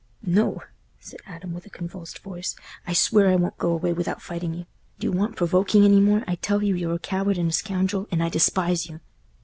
"No," said Adam, with a convulsed voice, "I swear I won't go away without fighting you. Do you want provoking any more? I tell you you're a coward and a scoundrel, and I despise you."